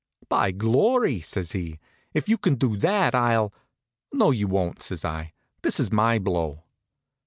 "By glory!" says he, "if you can do that I'll " "No you won't," say I. "This is my blow."